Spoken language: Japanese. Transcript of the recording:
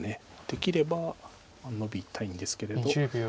できればノビたいんですけれど。